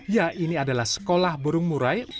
ya ini adalah sekolah burung murai